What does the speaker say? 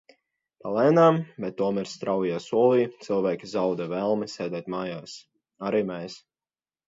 Palēnām, bet tomēr straujā solī, cilvēki zaudē vēlmi sēdēt mājās. Arī mēs.